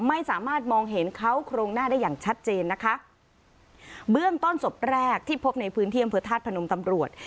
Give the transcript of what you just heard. ไม่สามารถมองเห็นเขาโครงหน้าได้อย่างชัดเจนนะคะเบื้องต้นศพแรกที่พบในพื้นที่อำเภอธาตุพนมตำรวจ